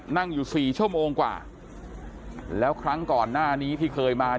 นั่งอยู่สี่ชั่วโมงกว่าแล้วครั้งก่อนหน้านี้ที่เคยมา